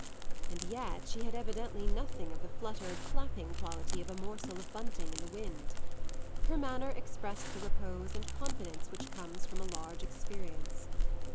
And yet she had evidently nothing of the fluttered, flapping quality of a morsel of bunting in the wind; her manner expressed the repose and confidence which come from a large experience.